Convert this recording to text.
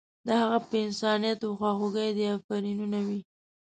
د هغې په انسانیت او خواخوږۍ دې افرینونه وي.